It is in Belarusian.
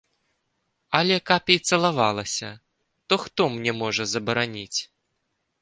Але каб і цалавалася, то хто мне можа забараніць?